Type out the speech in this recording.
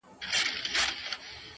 څه موده پس د قاضي معاش دوه چند سو،